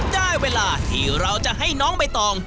ได้เวลาที่เราจะให้น้องใบตอง